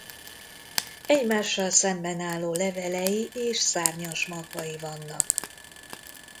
Egymással szemben álló levelei és szárnyas magvai vannak.